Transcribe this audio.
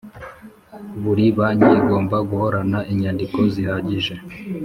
Buri banki igomba guhorana inyandiko zihagije